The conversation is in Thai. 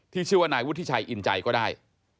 ชื่อว่านายวุฒิชัยอินใจก็ได้